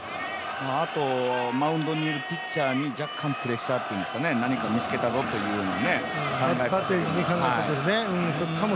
あとマウンドにピッチャーに若干プレッシャーというか何か見つけたぞというように。